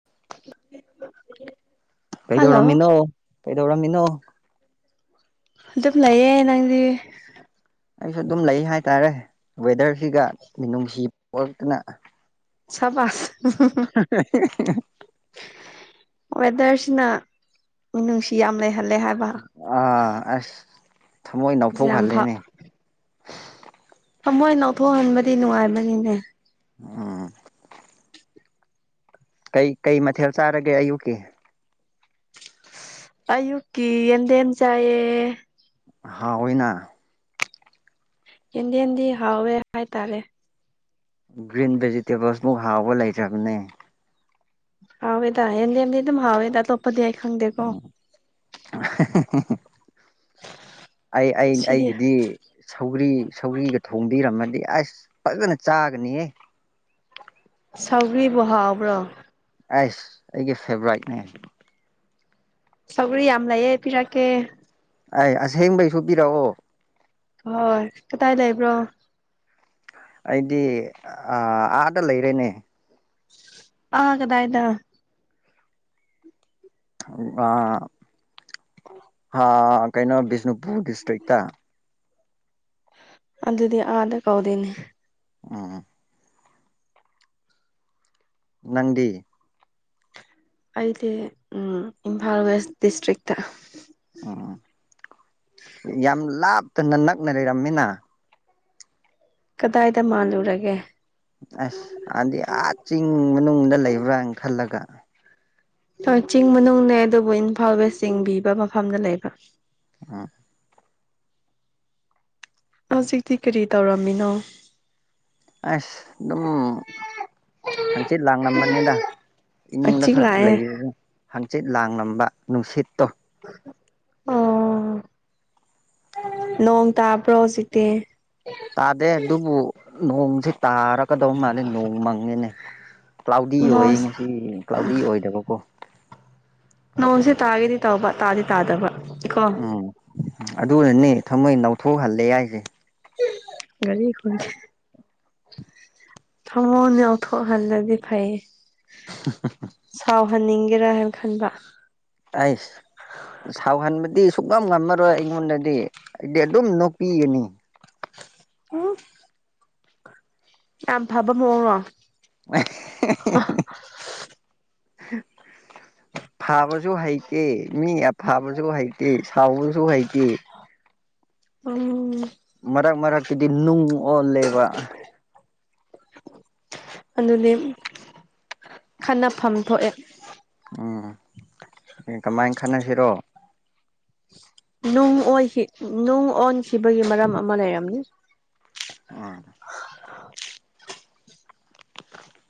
[unintelligible] ꯀꯩꯗꯧꯔꯝꯃꯤꯅꯣ ꯀꯩꯗꯧꯔꯝꯃꯤꯅꯣ ꯑꯗꯨꯝ ꯂꯩꯌꯦ ꯅꯪꯗꯤ ꯑꯩꯁꯨ ꯑꯗꯨꯝ ꯂꯩ ꯍꯥꯏꯇꯥꯔꯦ ꯋꯦꯗꯔꯁꯤꯒ ꯃꯤꯅꯨꯡꯁꯤ ꯄꯣꯔꯛꯇꯅ ꯁꯕꯥꯁ [unintelligible] ꯋꯦꯗꯔꯁꯤꯅ ꯃꯤꯅꯨꯡꯁꯤ ꯌꯥꯝ ꯂꯩꯍꯜꯂꯦ ꯍꯥꯏꯕ ꯑꯥ ꯑꯁ ꯊꯃꯣꯏ ꯌꯥꯝ ꯐ ꯅꯥꯎꯊꯣꯛꯍꯜꯂꯦꯅꯦ ꯊꯃꯣꯏ ꯅꯥꯊꯣꯛꯍꯟꯕꯗꯤ ꯅꯨꯡꯉꯥꯏꯕꯅꯤꯅꯦ ꯎꯝ ꯀꯩ ꯀꯩ ꯃꯊꯦꯜ ꯆꯥꯔꯒꯦ ꯑꯌꯨꯛꯀꯤ ꯑꯌꯨꯛꯀꯤ ꯌꯦꯟꯗꯦꯝ ꯆꯥꯏꯌꯦ ꯍꯥꯎꯅ ꯀꯦꯟꯗꯦꯜꯗꯤ ꯍꯥꯎꯋꯦ ꯍꯥꯏꯇꯥꯔꯦ ꯒ꯭ꯔꯤꯟ ꯚꯦꯖꯤꯇꯦꯕꯜꯁꯃꯨꯛ ꯍꯥꯎꯕ ꯂꯩꯇ꯭ꯔꯕꯅꯦ ꯍꯋꯦꯗ ꯍꯗꯤ ꯌꯦꯗꯤ ꯑꯗꯨꯝ ꯍꯋꯦꯗꯣ [inaudible] [inaudible] ꯑꯩ ꯑꯩ ꯁꯤꯗꯤ ꯑꯩꯒꯤꯗꯤ ꯁꯧꯒꯔꯤ ꯁꯧꯔꯤꯒ ꯊꯣꯡꯕꯤꯔꯝꯃꯗꯤ ꯑꯁ ꯐꯖꯅ ꯆꯥꯒꯅꯤꯍꯦ ꯁꯥꯎꯒ꯭ꯔꯤꯕꯨ ꯍꯥꯎꯕ꯭ꯔꯣ ꯑꯩꯁ ꯑꯩꯒꯤ ꯐꯦꯕꯔꯥꯏꯠꯅꯦ ꯁꯧꯒꯔꯤ ꯌꯥꯝ ꯂꯩꯌꯦ ꯄꯤꯔꯛꯀꯦ ꯑꯩ ꯑꯁꯦꯡꯕꯩꯁꯨ ꯄꯤꯔꯛꯑꯣ ꯍꯣꯏ ꯀꯗꯥꯏ ꯂꯩꯕ꯭ꯔꯣ ꯑꯩꯗꯤ ꯑ ꯑꯥꯗ ꯂꯩꯔꯦꯅꯦ ꯑꯥ ꯀꯗꯥꯥꯏꯗ ꯑꯥ ꯍꯥ ꯀꯩꯅꯣ ꯕꯤꯁꯅꯨꯄꯨꯔ ꯗꯤꯁꯇ꯭ꯔꯤꯛꯇ ꯑꯗꯨꯗꯤ ꯑꯥꯗ ꯀꯧꯗꯦꯅꯦ ꯎꯝ ꯅꯪꯗꯤ ꯑꯩꯗꯤ ꯏꯝꯐꯥꯜ ꯋꯦꯁ ꯗꯤꯁꯇ꯭ꯔꯤꯛꯇ ꯎꯝ ꯌꯥꯝ ꯂꯥꯞꯇꯅ ꯅꯛꯅ ꯂꯩꯔꯝꯃꯤꯅ ꯀꯗꯥꯏꯗ ꯃꯥꯜꯂꯨꯔꯒꯦ ꯑꯁ ꯑꯗꯤ ꯑꯥ ꯆꯤꯡ ꯃꯅꯨꯡꯗ ꯂꯩꯕ꯭ꯔꯥꯅ ꯈꯜꯂꯒ ꯍꯣꯏ ꯆꯤꯡ ꯃꯅꯨꯡꯅꯦ ꯑꯗꯨꯕꯨ ꯏꯝꯐꯥꯜ ꯋꯦꯁ ꯆꯤꯡꯕꯤꯕ ꯃꯐꯝꯗ ꯂꯩꯕ ꯎꯝ ꯍꯧꯖꯤꯛꯇꯤ ꯀꯔꯤ ꯇꯧꯔꯝꯃꯤꯅꯣ ꯑꯁ ꯑꯗꯨꯝ ꯊꯥꯡꯆꯤꯠ ꯂꯥꯡꯂꯝꯝꯕꯅꯤꯗ ꯏꯃꯨꯡꯗ ꯍꯪꯆꯤꯛ ꯈꯛ ꯂꯥꯛꯑꯦ ꯂꯩꯌꯦ ꯍꯪꯆꯤꯠ ꯂꯥꯡꯂꯝꯕ ꯅꯨꯡꯁꯤꯠꯇꯣ ꯑꯣ ꯅꯣꯡ ꯇꯥꯕ꯭ꯔꯣ ꯍꯧꯖꯤꯛꯇꯤ ꯇꯥꯗꯦ ꯑꯗꯨꯕꯨ ꯅꯣꯡꯁꯦ ꯇꯥꯔꯀꯗꯧ ꯃꯥꯜꯂꯦ ꯅꯣꯡ ꯃꯪꯉꯤꯅꯦ ꯀ꯭ꯂꯥꯎꯗꯤ ꯑꯣꯏꯌꯦ ꯅꯣꯡꯁ ꯉꯁꯤ ꯀ꯭ꯂꯥꯎꯗꯤ ꯑꯣꯏꯗꯕꯀꯣ ꯅꯣꯡꯁꯦ ꯇꯥꯒꯦꯗꯤ ꯇꯧꯕ ꯇꯥꯗꯤ ꯇꯥꯗꯕ ꯀꯣ ꯎꯝ ꯑꯗꯨꯅꯅꯦ ꯊꯃꯣꯏ ꯅꯧꯊꯣꯛꯍꯜꯂꯦ ꯍꯥꯏꯏꯁꯦ ꯒꯥꯔꯤ ꯈꯦ ꯊꯃꯣꯅꯤꯊꯣꯛ ꯍꯜꯂꯗꯤ ꯐꯥꯏꯌꯦ [inaudible] ꯁꯥꯎꯍꯟꯅꯤꯡꯒꯦꯔꯥ ꯍꯥꯏꯅ ꯈꯟꯕ ꯑꯩꯁ ꯁꯥꯎꯍꯟꯕꯗꯤ ꯁꯨꯅꯝ ꯉꯝꯃꯔꯣꯏ ꯑꯩꯉꯣꯟꯗꯗꯤ ꯑꯩꯗꯤ ꯑꯗꯨꯝ ꯅꯣꯛꯄꯤꯒꯅꯤ ꯎ ꯌꯥꯝ ꯐꯕ ꯃꯑꯣꯡꯔꯣ [inaudible] ꯐꯥꯕꯁꯨ ꯍꯩꯇꯦ ꯃꯤ ꯐꯕꯁꯨ ꯍꯩꯇꯦ ꯁꯥꯎꯕꯁꯨ ꯍꯩꯇꯦ ꯎꯝ ꯃꯔꯛ ꯃꯔꯛꯇꯨꯗꯤ ꯅꯨꯡ ꯑꯣꯜꯂꯦꯕ ꯑꯗꯨꯗꯤ ꯈꯟꯅꯐꯝ ꯊꯣꯛꯑꯦ ꯎꯝ ꯀꯃꯥꯏꯅ ꯈꯟꯅꯁꯤꯔꯣ ꯅꯨꯡ ꯑꯣꯈꯤ ꯅꯨꯡ ꯑꯣꯟꯈꯤꯕꯒꯤ ꯃꯔꯝ ꯑꯃ ꯂꯩꯔꯝꯅꯤ ꯑ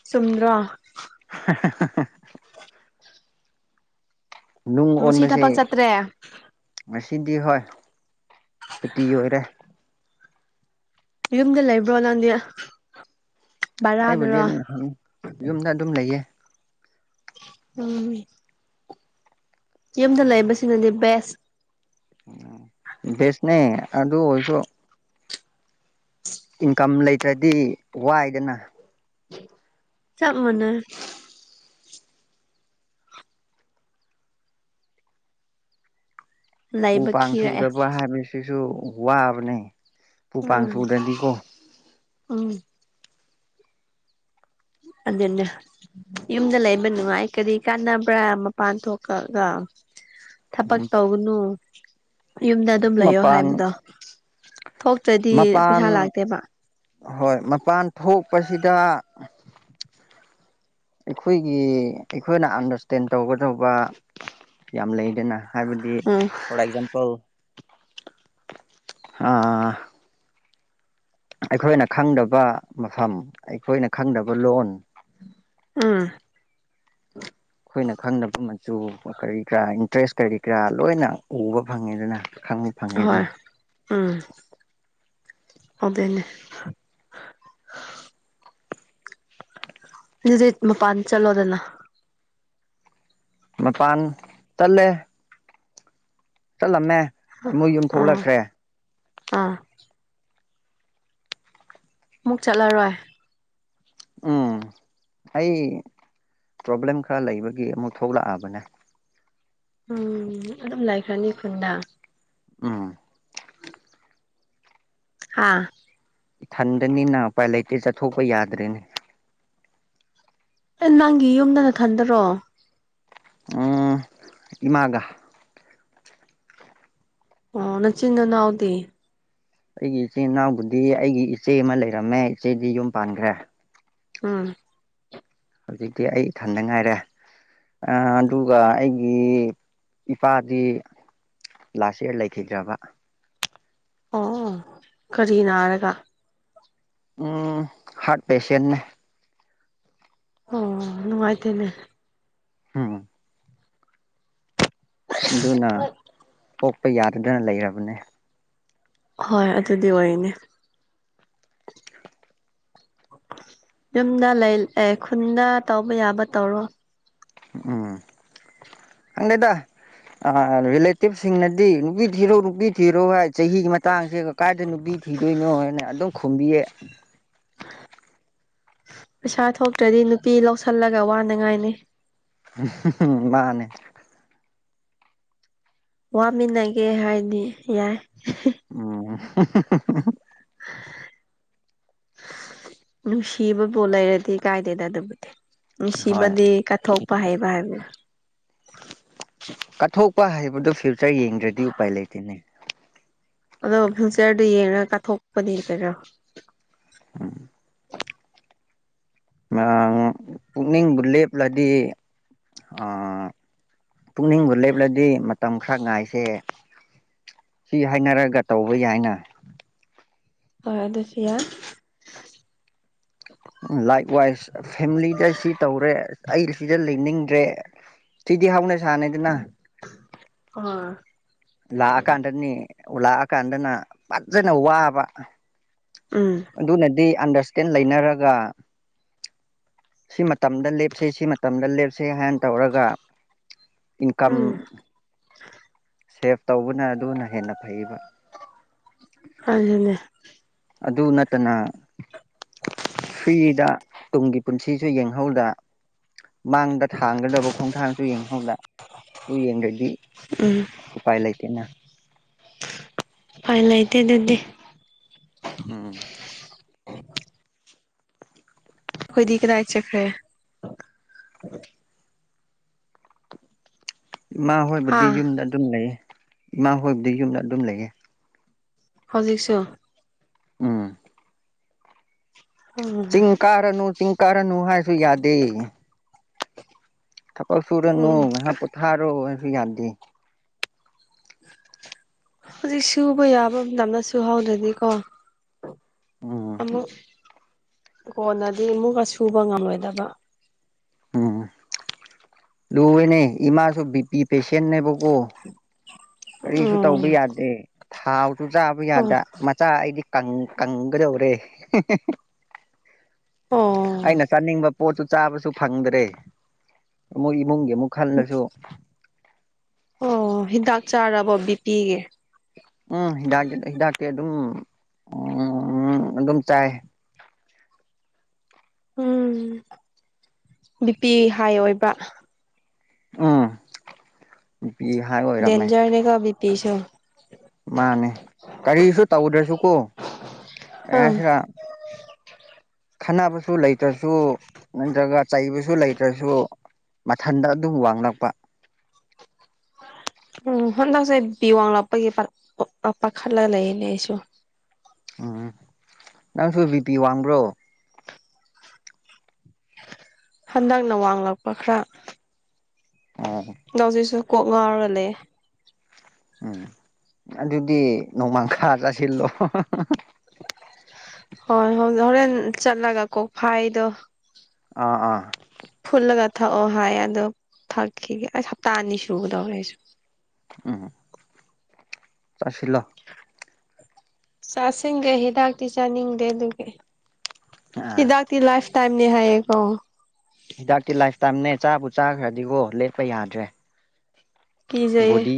ꯁꯨꯗ꯭ꯔ ꯍ ꯅꯨꯡ ꯉꯁꯤ ꯑꯣꯟꯕꯁꯦ ꯊꯕꯛ ꯆꯠꯇ꯭ꯔꯦ ꯉꯁꯤꯗꯤ ꯍꯣꯏ ꯁꯨꯇꯤ ꯑꯣꯏꯔꯦ ꯌꯨꯝꯗ ꯂꯩꯕ꯭ꯔꯣ ꯂꯥꯟꯗꯤꯌꯥ ꯑꯩꯕꯨꯗꯤ ꯑꯗꯨꯝ ꯌꯨꯝꯗ ꯑꯗꯨꯝ ꯂꯩꯌꯦ ꯎ ꯌꯨꯝꯗ ꯂꯩꯕꯁꯤꯅꯗꯤ ꯕꯦꯁ ꯎ ꯕꯦꯁꯅꯦ ꯑꯗꯨ ꯑꯣꯏꯁꯨ ꯏꯟꯀꯝ ꯂꯩꯇ꯭ꯔꯗꯤ ꯋꯥꯏꯗꯅ ꯆꯞ ꯃꯅꯦ ꯎ ꯂꯩꯕ ꯄꯥꯡ ꯈꯤꯔꯛꯑꯦ ꯁꯧꯗꯕ ꯍꯥꯏꯕꯁꯤꯁꯨ ꯋꯥꯕꯅꯤ ꯎꯝ ꯎꯝ ꯑꯗꯨꯗꯅꯦ ꯌꯨꯝꯗ ꯂꯩꯕ ꯅꯨꯡꯉꯥꯏ ꯀꯔꯤ ꯀꯥꯟꯅꯕ꯭ꯔꯥ ꯃꯄꯥꯟ ꯊꯣꯛꯀꯒ ꯊꯕꯛ ꯇꯧꯅꯨ ꯌꯨꯝꯗ ꯑꯗꯨꯝ ꯂꯩꯌꯣ ꯃꯄꯥꯟ ꯍꯥꯏꯕꯗꯣ ꯊꯣꯛꯇ꯭ꯔꯗꯤ ꯃꯄꯥꯟ ꯄꯩꯁꯥ ꯂꯥꯛꯇꯦꯕ ꯍꯣꯏ ꯃꯄꯥꯟ ꯊꯣꯛꯄꯁꯤꯗ ꯑꯩꯈꯣꯏꯒꯤ ꯑꯩꯈꯣꯏꯅ ꯑꯟꯗꯔꯁꯇꯦꯟ ꯇꯧꯒꯗꯧꯕ ꯌꯥꯝ ꯂꯩꯗꯅ ꯍꯥꯏꯕꯗꯤ ꯎꯝ ꯐꯣꯔ ꯑꯦꯛꯖꯥꯝꯄꯜ ꯑꯩꯈꯣꯏꯅ ꯈꯪꯗꯕ ꯃꯐꯝ ꯑꯩꯈꯣꯏꯅ ꯈꯪꯗꯕ ꯂꯣꯟ ꯎꯝ ꯑꯩꯈꯣꯏꯅ ꯈꯪꯅꯕ ꯃꯆꯨ ꯀꯔꯤ ꯀꯔꯥ ꯏꯟꯇꯔꯦꯁ ꯀꯔꯤ ꯀꯔꯥ ꯂꯣꯏꯅ ꯎꯕ ꯐꯪꯉꯦ ꯑꯗꯨꯅ ꯍꯣꯏ ꯎꯝ ꯑꯣꯅꯦ ꯑꯗꯨꯗꯤ ꯃꯄꯥꯟ ꯆꯠꯂꯣꯗꯅ ꯃꯄꯥꯟ ꯇꯜꯂꯦ ꯆꯠꯂꯝꯃꯦ ꯃꯣꯏ ꯌꯨꯝ ꯑꯥ ꯊꯣꯛꯂꯛꯈ꯭ꯔꯦ ꯑꯥ ꯃꯨꯛ ꯆꯠꯂꯔꯣꯏ ꯎꯝ ꯑꯩ ꯄ꯭ꯔꯣꯕ꯭ꯂꯦꯝ ꯈꯔ ꯂꯩꯕꯒꯤ ꯑꯃꯨꯛ ꯊꯣꯛꯂꯛꯑꯕꯅꯦ ꯎꯝ ꯑꯗꯨꯝ ꯂꯩꯈ꯭ꯔꯅꯤ ꯈꯨꯟꯗ ꯎꯝ ꯍꯥꯥ ꯏꯊꯟꯗꯅꯤꯅ ꯄꯥꯏ ꯂꯩꯇꯦ ꯆꯠꯊꯣꯛꯄ ꯌꯥꯗ꯭ꯔꯦꯅꯦ ꯑꯦ ꯅꯪꯒꯤ ꯌꯨꯝꯗꯅ ꯈꯟꯗꯔꯣ ꯎ ꯏꯃꯥꯒ ꯑꯣ ꯅꯆꯤꯟ ꯅꯅꯥꯎꯗꯤ ꯑꯩꯒꯤ ꯏꯆꯤꯟꯜ ꯏꯅꯥꯎꯕꯨꯗꯤ ꯑꯩꯒꯤ ꯏꯆꯦ ꯑꯃ ꯂꯩꯔꯝꯃꯦ ꯏꯆꯦꯗꯤ ꯌꯨꯝ ꯄꯥꯟꯈ꯭ꯔꯦ ꯎꯝ ꯍꯧꯖꯤꯛꯇꯤ ꯑꯩ ꯏꯊꯟꯗ ꯉꯥꯏꯔꯦ ꯑꯗꯨꯒ ꯑꯩꯒꯤ ꯏꯄꯥꯗꯤ ꯂꯥꯁ ꯏꯌꯔ ꯂꯩꯈꯤꯗ꯭ꯔꯥꯕ ꯑꯣ ꯀꯔꯤ ꯅꯥꯔꯒ ꯎꯝ ꯍꯥꯔꯠ ꯄꯦꯁꯦꯟꯅꯦ ꯑꯣ ꯅꯨꯡꯉꯥꯏꯇꯦꯅꯦ ꯎꯝ ꯑꯗꯨꯅ ꯄꯣꯛꯄ ꯌꯥꯗꯗꯅ ꯂꯩꯔꯕꯅꯦ ꯍꯣꯏ ꯑꯗꯨꯗꯤ ꯑꯣꯏꯅꯤ ꯌꯨꯝꯗ ꯂꯩ ꯑꯦ ꯈꯨꯟꯗ ꯇꯧꯕ ꯌꯥꯕ ꯇꯧꯔꯣ ꯎꯝ ꯈꯪꯗꯦꯗ ꯔꯤꯂꯦꯇꯤꯚꯁꯤꯡꯅꯗꯤ ꯅꯨꯄꯤ ꯊꯤꯔꯣ ꯅꯨꯄꯤ ꯊꯤꯔꯣ ꯍꯥꯏ ꯆꯍꯤꯒꯤ ꯃꯇꯥꯡꯁꯦ ꯀ ꯀꯥꯏꯗ ꯅꯨꯄꯤ ꯊꯤꯗꯣꯏꯅꯣ ꯍꯥꯏꯅ ꯑꯗꯨꯝ ꯈꯨꯝꯕꯤꯌꯦ ꯄꯩꯁꯥ ꯊꯣꯛꯇ꯭ꯔꯗꯤ ꯅꯨꯄꯤ ꯂꯧꯁꯤꯜꯂꯒ ꯋꯥꯅꯉꯥꯏꯅꯤ ꯃꯥꯅꯦ ꯋꯥꯃꯤꯟꯅꯒꯦ ꯍꯥꯏꯗꯤ ꯌꯥꯏ ꯎꯝ [inaudible] ꯅꯨꯡꯁꯤꯕꯕꯨ ꯂꯩꯔꯗꯤ ꯀꯥꯏꯗꯦꯗ ꯑꯗꯨꯕꯨꯗꯤ ꯍꯣꯏ ꯅꯨꯡꯁꯤꯕꯗꯤ ꯀꯠꯊꯣꯛꯄ ꯍꯩꯕ ꯍꯥꯏꯕꯅꯦ ꯀꯠꯊꯣꯛꯄ ꯍꯥꯏꯕꯗꯨꯣ ꯐ꯭ꯌꯨꯆꯔ ꯌꯦꯡꯗ꯭ꯔꯗꯤ ꯎꯄꯥꯏ ꯂꯩꯇꯦꯅꯦ ꯑꯗꯣ ꯐ꯭ꯌꯨꯆꯔꯗꯨ ꯌꯦꯡꯉꯒ ꯀꯥꯊꯣꯛꯄꯅꯦ ꯀꯩꯗꯔꯣ ꯎꯝ ꯄꯨꯛꯅꯤꯡꯕꯨ ꯂꯦꯞꯂꯗꯤ ꯄꯨꯛꯅꯤꯡꯕꯨ ꯂꯦꯞꯂꯗꯤ ꯃꯇꯝ ꯈꯔ ꯉꯥꯏꯁꯦ ꯁꯤ ꯍꯥꯏꯅꯔꯒ ꯇꯧꯕ ꯌꯥꯏꯅ ꯍꯣꯏ ꯑꯗꯨꯁꯨ ꯌꯥ ꯂꯥꯏꯛ ꯋꯥꯏꯁ ꯐꯦꯃꯤꯂꯤꯗ ꯁꯤ ꯇꯧꯔꯦ ꯑꯩ ꯁꯤꯗ ꯂꯩꯅꯤꯡꯗ꯭ꯔꯦ ꯁꯤꯗꯤ ꯍꯥꯎꯅ ꯁꯥꯟꯅꯦꯗꯅ ꯑꯣ ꯂꯥꯛꯑꯀꯥꯟꯗꯅꯤ ꯂꯥꯛꯑꯀꯥꯟꯗꯅ ꯐꯖꯅ ꯋꯥꯕ ꯎꯝ ꯑꯗꯨꯅꯗꯤ ꯑꯟꯗꯔꯁꯇꯦꯟ ꯂꯩꯅꯔꯒ ꯁꯤ ꯃꯇꯝꯗ ꯂꯦꯞꯁꯦ ꯁꯤ ꯃꯇꯝꯗ ꯂꯦꯞꯁꯦ ꯍꯥꯏꯅ ꯇꯧꯔꯒ ꯏꯟꯀꯝ ꯎꯝ ꯁꯦꯞ ꯇꯧꯕꯅ ꯑꯗꯨꯅ ꯍꯦꯟꯅ ꯐꯩꯕ ꯑꯗꯨꯅꯦ ꯑꯗꯨ ꯅꯠꯇꯅ ꯐ꯭ꯔꯤꯗ ꯇꯨꯡꯒꯤ ꯄꯨꯟꯁꯤꯁꯨ ꯌꯦꯡꯍꯧꯗ ꯃꯥꯡꯗ ꯊꯥꯡꯒꯗꯕ ꯈꯣꯡꯊꯥꯡꯁꯨ ꯌꯦꯡꯍꯧꯗ ꯑꯗꯨ ꯌꯦꯡꯗ꯭ꯔꯗꯤ ꯎꯝ ꯎꯄꯥꯏ ꯂꯩꯥꯏꯇꯦꯅ ꯎꯄꯥꯏ ꯂꯩꯇꯦ ꯑꯗꯨꯗꯤ ꯎꯝ ꯑꯩꯈꯣꯏꯗꯤ ꯀꯗꯥꯥꯏ ꯆꯠꯈꯔ‌ꯦ ꯏꯃꯥ ꯍꯣꯏꯕꯨꯗꯤ ꯍꯥ ꯌꯨꯝꯗ ꯑꯗꯨꯝ ꯂꯩꯌꯦ ꯏꯃꯥ ꯍꯣꯏꯕꯨꯗꯤ ꯌꯨꯝꯗ ꯑꯗꯨꯝ ꯂꯩꯌꯦ ꯍꯧꯖꯤꯛꯁꯨ ꯎꯝ ꯎꯝ ꯆꯤꯡ ꯀꯥꯔꯅꯨ ꯆꯤꯡ ꯀꯥꯔꯅꯨ ꯍꯥꯏꯁꯨ ꯌꯥꯗꯦ ꯊꯕꯛ ꯁꯨꯔꯅꯨ ꯎꯝ ꯉꯥꯏꯍꯥꯛ ꯄꯣꯊꯥꯔꯣ ꯍꯥꯏꯁꯨ ꯌꯥꯗꯦ ꯍꯧꯖꯤꯛ ꯁꯨꯕ ꯌꯥꯕ ꯃꯇꯝꯗ ꯁꯨꯍꯥꯎꯗ꯭ꯔꯗꯤꯀꯣ ꯎꯝ ꯑꯃꯨꯛ ꯀꯣꯟꯅꯗꯤ ꯑꯃꯨꯛꯀ ꯁꯨꯕ ꯉꯝꯂꯣꯏꯗꯕ ꯎꯝ ꯂꯨꯏꯦꯅꯦ ꯏꯃꯥꯁꯨ ꯕꯤ ꯄꯤ ꯄꯦꯁꯦꯟꯅꯦꯕꯀꯣ ꯀꯔꯤꯁꯨ ꯇꯧꯕ ꯎꯝ ꯌꯥꯗꯦ ꯊꯥꯎꯁꯨ ꯆꯥꯕ ꯑꯣ ꯌꯥꯗ ꯃꯆꯥ ꯑꯩꯗꯤ ꯀꯪ ꯀꯪꯒꯗꯧꯔꯦ ꯑꫭ ꯑꯩꯅ ꯆꯥꯅꯤꯡꯕ ꯄꯣꯠꯇꯨ ꯆꯥꯕꯁꯨ ꯐꯪꯗ꯭ꯔꯦ ꯃꫭꯏ ꯏꯃꯨꯡꯒꯤ ꯑꯃꯨꯛ ꯈꯜꯂꯁꯨ ꯑꯣ ꯍꯤꯗꯥꯛ ꯆꯥꯔꯕꯣ ꯕꯤꯄꯤꯒꯤ ꯎꯝ ꯍꯤꯗꯥꯛꯇꯤ ꯍꯤꯗꯥꯛꯇꯤ ꯑꯗꯨꯝ ꯎꯝ ꯑꯗꯨꯝ ꯆꯥꯏ ꯎꯝ ꯕꯤꯄꯤ ꯍꯥꯏ ꯑꯣꯏꯕ ꯎꯝ ꯅꯨꯄꯤ ꯍꯥꯏ ꯑꯣꯏꯔꯝꯃꯦ ꯗ‌ꯦꯟꯖꯥꯔꯅꯦꯀꫭ ꯕꯤꯄꯤꯁꯨ ꯃꯥꯅꯦ ꯀꯔꯤꯁꯨ ꯇꯧꯗ꯭ꯔꯁꯨꯀꯣ ꯀꯔꯤ ꯑꯥ ꯍꯥꯏꯁꯤꯔ ꯈꯠꯅꯕꯁꯨ ꯂꯩꯇ꯭ꯔꯁꯨ ꯅꯠꯇ꯭ꯔꯒ ꯆꯩꯕꯁꯨ ꯂꯩꯇ꯭ꯔꯁꯨ ꯃꯊꯟꯗ ꯑꯗꯨꯝ ꯋꯥꯡꯂꯛꯄ ꯎꯝ ꯍꯟꯗꯛꯁꯦ ꯕꯤꯄꯤ ꯋꯥꯡꯂꯥꯛꯄꯒꯤ ꯄꯥꯈꯠꯂꯒ ꯂꯩꯌ‌ꯦꯅ‌ꯦ ꯑꯩꯁꯨ ꯎꯝ ꯅꯪꯁꯨ ꯕꯤ ꯄꯤ ꯋꯥꯡꯕ꯭ꯔꯣ ꯍꯟꯗꯛꯅ ꯋꯥꯡꯂꯛꯄ ꯈꯔ ꯑꫭ ꯑꯗꫭ ꯍꯧꯖꯤꯛꯁꯨ ꯀꯣꯛ ꯉꯥꯎꯔꯒ‌ꯂꯩꯌ‌ꯦ ꯎꯝ ꯑꯗꯨꯗꯤ ꯅꯣꯡꯃꯥꯡꯈꯥ ꯆꯥꯁꯤꯜꯂꯣ ꯍꯣꯏ ꯍꯣꯔꯦꯟ ꯆꯠꯂꯒ ꯀꯣꯛ ꯐꯥꯏꯗꯣ ꯑꯥ ꯑꯥ ꯐꯨꯜꯂꯒ ꯊꯛꯑꯣ ꯍꯥꯏ ꯑꯗꯣ ꯊꯛꯈꯤꯒꯦ ꯑꯁ ꯍꯞꯇꯥ ꯑꯅꯤ ꯁꯨꯒꯗꯧꯔꯦ ꯑꯩꯁꯨ ꯎꯝ ꯆꯁꯤꯜꯂꯣ ꯆꯥꯁꯤꯟꯒꯦ ꯍꯤꯗꯥꯛꯇꯤ ꯆꯥꯅꯤꯡꯗꯦ ꯑꯗꯨꯒꯒꯤ ꯑꯥ ꯍꯤꯗꯥꯛ ꯇꯤ ꯂꯥꯏꯐ ꯇꯥꯏꯝꯅꯤ ꯍꯥꯏꯌꯦꯀꯣ ꯍꯤꯗꯥꯛꯇꯤ ꯂꯥꯏꯐꯇꯥꯏꯝꯅꯦ ꯆꯥꯕꯨ ꯆꯥꯈ꯭ꯔꯗꯤꯀꯣ ꯂꯦꯞꯄ ꯌꯥꯗ꯭ꯔꯦ ꯀꯤꯖꯩꯌꯦ ꯕꯣꯗꯤ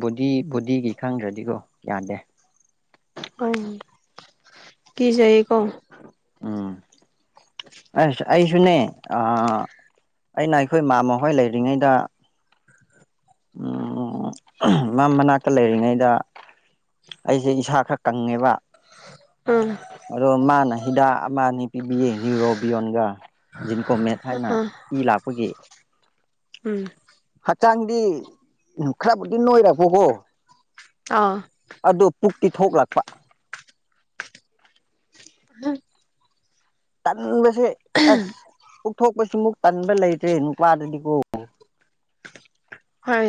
ꯕꯣꯗꯤ ꯕꯣꯗꯤꯒꯤ ꯈꯪꯗ꯭ꯔꯗꯤꯀꯣ ꯌꯥꯗꯦ ꯎꯝ ꯀꯤꯖꯩꯌꯦꯀꯣ ꯎꯝ ꯑꯁ ꯑꯩꯁꯨꯅꯦ ꯑꯥ ꯑꯩꯅ ꯑꯩꯈꯣꯏ ꯃꯥꯃ ꯍꯣꯏ ꯂꯩꯔꯤꯉꯩꯗ ꯎꯝ ꯃ ꯃꯅꯛ ꯇ ꯂꯩꯔꯤꯉꯩꯗ ꯑꯩꯁꯦ ꯏꯁꯥ ꯈꯔ ꯀꯪꯉꯦꯕ ꯎꯝ ꯑꯗꯣ ꯃꯥꯅ ꯍꯤꯗꯥꯛ ꯑꯃ ꯑꯅꯤ ꯄꯤꯕꯤꯌꯦ ꯅꯨꯔꯣꯕꯤꯌꯣꯟꯒ ꯖꯤꯟꯀꯣꯃꯦꯠ ꯍꯥꯏꯅ ꯑꯥ ꯏ ꯂꯥꯛꯄꯒꯤ ꯎꯝ ꯍꯛꯆꯥꯡꯗꯤ ꯈꯔꯕꯨꯗꯤ ꯅꯣꯏꯔꯕꯀꯣ ꯑꯥ ꯑꯗꯨ ꯄꯨꯛꯇꯤ ꯊꯣꯛꯂꯛꯄ ꯍꯥ ꯇꯟꯕꯁꯦ ꯑꯁ ꯄꯨꯛꯊꯣꯛꯄꯁꯤꯃꯨꯛ ꯇꯟꯕ ꯂꯩꯇ꯭ꯔꯦ ꯅꯨꯄꯥꯗꯗꯤꯀꯣ ꯍꯣꯏ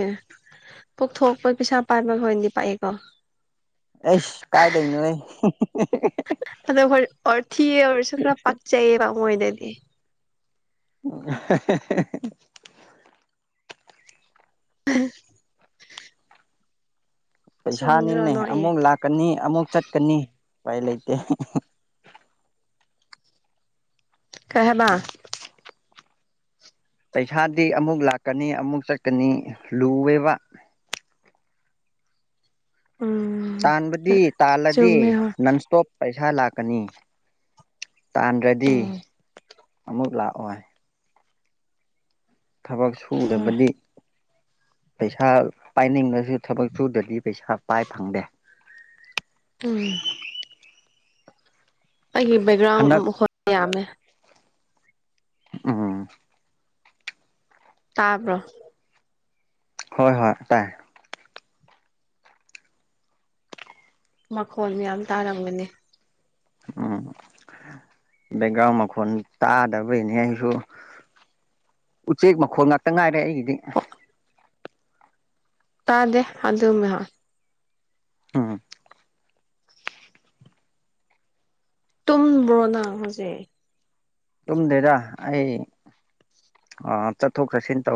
ꯄꯨꯣꯛꯊꯣꯛꯄ ꯄꯩꯁꯥ ꯄꯥꯟꯕꯥꯏ ꯍ ꯑꯣꯏꯅꯗꯤ ꯄꯥꯛꯑꯦꯀꯣ ꯑꯦꯁ ꯀꯥꯏꯗꯩꯅꯣꯍꯦ ꯑꯗꯣ ꯑꯣꯔꯊꯤꯔꯁꯨ ꯈꯔ ꯄꯥꯛ ꯆꯥꯏꯌꯦꯕ ꯃꯣꯏꯗꯗꯤ [inaudible] ꯍ [unintelligible] ꯆꯨꯝꯗ꯭ꯔꯣ ꯄꯩꯁꯥꯅꯤꯅꯦ ꯅꯣꯛꯑꯦ ꯑꯃꯨꯛ ꯂꯥꯛꯀꯅꯤ ꯑꯃꯨꯛ ꯆꯠꯀꯅꯤ ꯎꯄꯥꯏ ꯂꯩꯇꯦ ꯀꯩꯍꯥꯏꯕ [inaudible] ꯄꯩꯁꯥꯗꯤ ꯑꯃꯨꯛ ꯂꯥꯛꯀꯅꯤ ꯑꯃꯨꯛ ꯆꯠꯀꯅꯤ ꯂꯨꯋꯦꯕ ꯎꯝ ꯇꯟꯕꯗꯤ ꯇꯥꯜꯂꯗꯤ ꯆꯨꯝꯃꯦ ꯍꯣꯏ ꯅꯟꯁꯇꯣꯞ ꯄꯩꯁꯥ ꯂꯥꯛꯀꯅꯤ ꯇꯥꯟꯗ꯭ꯔꯗꯤ ꯎꯝ ꯑꯃꯨꯛ ꯂꯥꯛꯑꯣꯏ ꯊꯕꯛ ꯍꯣꯏ ꯁꯨꯗꯕꯗꯤ ꯄꯩꯁꯥ ꯄꯥꯏꯅꯤꯡꯕꯁꯨ ꯊꯕꯛ ꯁꯨꯗ꯭ꯔꯗꯤ ꯄꯩꯁꯥ ꯄꯥꯏ ꯐꯪꯗꯦ ꯎꯝ ꯑꯩꯒꯤ ꯕꯦꯛꯒ꯭ꯔꯥꯎꯟ ꯍꯟꯗꯛ ꯃꯈꯣꯏ ꯌꯥꯝꯃꯦ ꯎꯝ ꯇꯥꯕ꯭ꯔꯣ ꯍꯣꯏ ꯍꯣꯏ ꯇꯥꯏ ꯃꯈꯣꯜ ꯃꯌꯥꯝ ꯇꯥꯔꯝꯒꯅꯤ ꯎꯝ ꯕꯦꯡꯒ ꯃꯈꯣꯟ ꯇꯥꯗꯕꯩꯅꯦ ꯑꯩꯁꯨ ꯎꯆꯦꯛ ꯃꯈꯣꯟꯜ ꯉꯥꯛꯇ ꯉꯥꯏꯔꯦ ꯑꯩꯒꯤꯗꯤ ꯇꯥꯗꯦ ꯑꯗꯨꯅ ꯎꯝ ꯇꯨꯝꯕ꯭ꯔꯣ ꯅꯪ ꯍꯧꯖꯤꯛ ꯇꯨꯝꯗꯦꯗ ꯑꯩ ꯆꯠꯊꯣꯛ ꯆꯠꯁꯤꯟ ꯇꯧꯔ